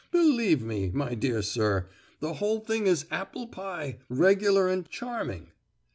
Believe me, my dear sir, the whole thing is apple pie, regular and charming."